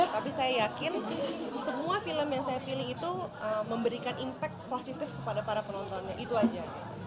tapi saya yakin semua film yang saya pilih itu memberikan impact positif kepada para penontonnya itu aja